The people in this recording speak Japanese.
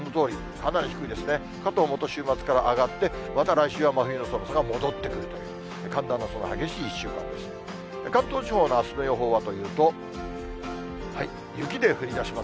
かと思うと週末から上がって、また来週は真冬の寒さが戻ってくるという、寒暖の差が激しい１週間です。